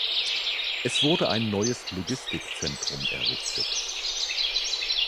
Es wurde ein neues Logistikzentrum errichtet.